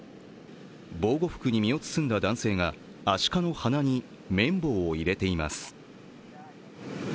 防護服に身を包んだ男性がアシカの鼻に綿棒を入れています。